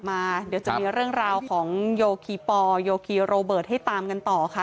เดี๋ยวจะมีเรื่องราวของโยคีปอลโยคีโรเบิร์ตให้ตามกันต่อค่ะ